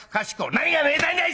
何がめでたいんだい！